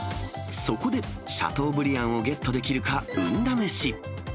そこで、シャトーブリアンをゲットできるか、運だめし。